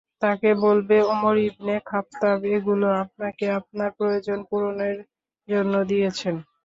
তাকে বলবে, Umar ibn Khattab এগুলো আপনাকে আপনার প্রয়োজন পূরণের জন্য দিয়েছেন।